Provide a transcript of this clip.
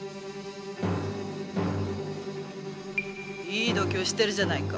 いい度胸してるじゃないか。